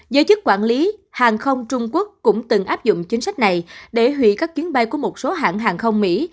giới chức quản lý hàng không trung quốc cũng từng áp dụng chính sách này để hủy các chuyến bay của một số hãng hàng không mỹ